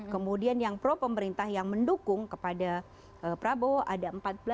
kemudian yang pro pemerintah yang mendukung kepada prabowo ada empat belas enam puluh satu